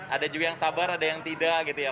ada juga yang sabar ada yang tidak gitu ya